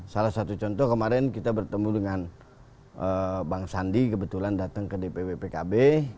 salah satu contoh kemarin kita bertemu dengan bang sandi kebetulan datang ke dpw pkb